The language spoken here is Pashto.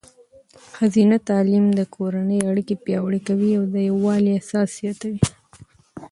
ښځینه تعلیم د کورنۍ اړیکې پیاوړې کوي او د یووالي احساس زیاتوي.